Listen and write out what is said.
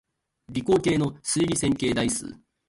理工系の数理線形代数